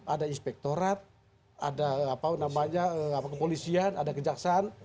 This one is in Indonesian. ada inspektorat ada kepolisian ada kejaksaan